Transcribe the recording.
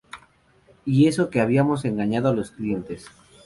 Y eso que habíamos engañado a los clientes.